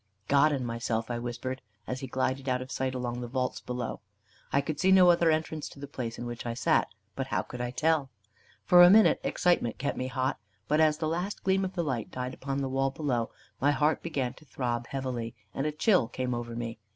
"God and myself," I whispered, as he glided out of sight along the vaults below. I could see no other entrance to the place in which I sat; but how could I tell? For a minute excitement kept me hot; but as the last gleam of the light died upon the wall below, my heart began to throb heavily, and a chill came over me.